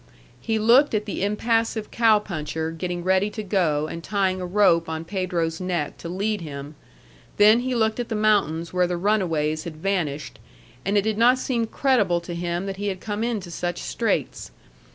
He looked at the impassive cow puncher getting ready to go and tying a rope on Pedro's neck to lead him, then he looked at the mountains where the runaways had vanished, and it did not seem credible to him that he had come into such straits.